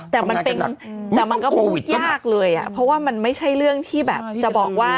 แต่มันเป็นแต่มันก็พูดยากเลยอ่ะเพราะว่ามันไม่ใช่เรื่องที่แบบจะบอกว่า